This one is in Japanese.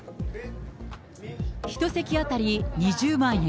１席当たり２０万円。